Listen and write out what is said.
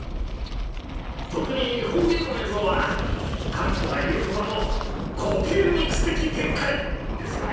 特に方言の映像はカントが言うところの「コペルニクス的転回」ですよね。